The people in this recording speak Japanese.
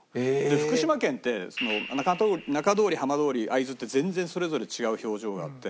福島県って中通り浜通り会津って全然それぞれ違う表情があって。